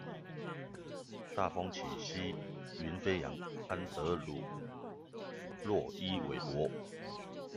大風起兮雲飛揚，安德魯洛伊韋伯